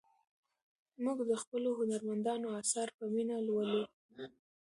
موږ د خپلو هنرمندانو اثار په مینه لولو.